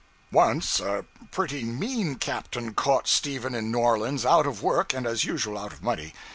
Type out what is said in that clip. Once a pretty mean captain caught Stephen in New Orleans out of work and as usual out of money.